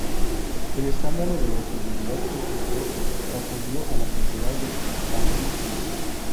El escándalo de la infidelidad de su mujer sacudió a la sociedad de Cambridge.